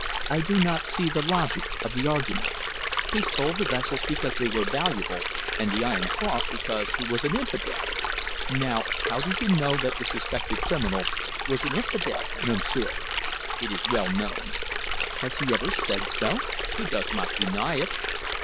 "I do not see the logic of the argument. He stole the vessels because they were valuable, and the iron cross because he was an infidel! Now how do you know that the suspected criminal was an infidel, Monsieur?" "It is well known." "Has he ever said so?" "He does not deny it."